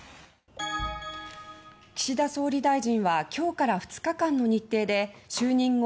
岸田総理大臣は今日から２日間の日程で就任後